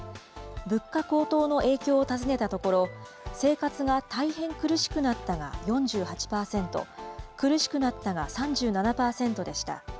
物価高騰の影響を尋ねたところ、生活が大変苦しくなったが４８％、苦しくなったが３７％でした。